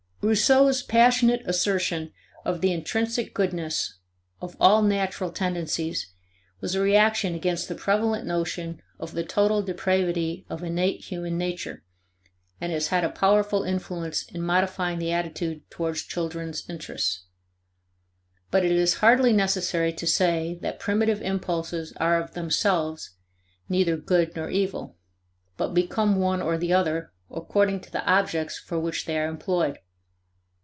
Rousseau's passionate assertion of the intrinsic goodness of all natural tendencies was a reaction against the prevalent notion of the total depravity of innate human nature, and has had a powerful influence in modifying the attitude towards children's interests. But it is hardly necessary to say that primitive impulses are of themselves neither good nor evil, but become one or the other according to the objects for which they are employed.